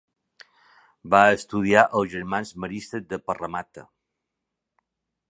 Va estudiar als Germans Maristes de Parramatta.